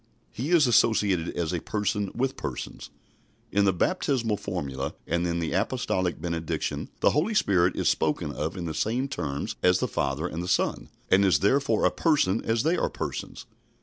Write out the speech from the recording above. He is associated as a Person with Persons. In the baptismal formula and in the apostolic benediction the Holy Spirit is spoken of in the same terms as the Father and the Son, and is therefore a Person as they are Persons.